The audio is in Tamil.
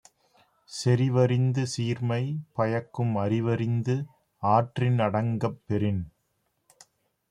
செறிவறிந்து சீர்மை பயக்கும் அறிவறிந்து ஆற்றின் அடங்கப் பெறின்